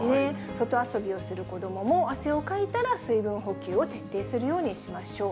外遊びをする子どもも、汗をかいたら水分補給を徹底するようにしましょう。